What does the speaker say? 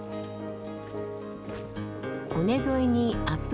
尾根沿いにアップ